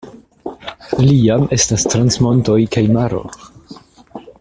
Li jam estas trans montoj kaj maro.